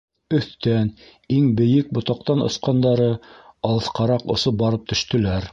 Өҫтән, иң бейек ботаҡтан осҡандары алыҫҡараҡ осоп барып төштөләр.